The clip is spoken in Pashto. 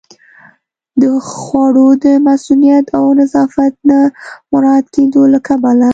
د خوړو د مصئونیت او نظافت نه مراعت کېدو له کبله